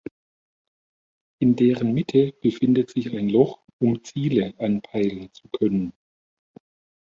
In deren Mitte befindet sich ein Loch, um Ziele anpeilen zu können.